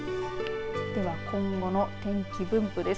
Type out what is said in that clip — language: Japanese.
では今後の天気分布です。